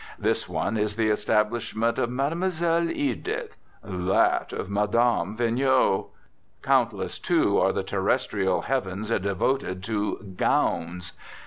This one is the establishment of Mlle. Edythe, that of Mme. Vigneau. Countless, too, are the terrestrial heavens devoted to "gowns."